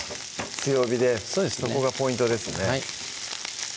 強火でそこがポイントですね